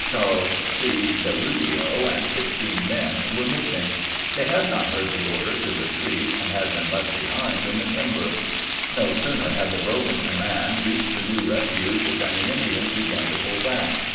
Charles C. DeRudio and 16 men were missing. They had not heard the order to retreat and had been left behind in the timber. No sooner had the broken command reached the new refuge than the Indians began to pull back.